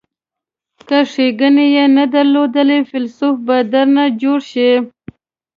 که ښیګڼې یې نه درلودلې فیلسوف به درنه جوړ شي.